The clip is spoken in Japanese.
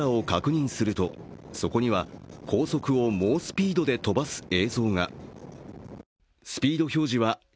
店が車のドライブレコーダーを確認すると、そこには高速を猛スピードで飛ばす映像が。